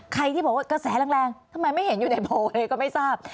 ใครที่บอกว่ากระแสแรงทำไมไม่เห็นอยู่ในโพลเลยก็ไม่ทราบ